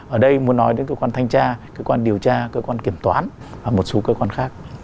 ở đây muốn nói đến cơ quan thanh tra cơ quan điều tra cơ quan kiểm toán và một số cơ quan khác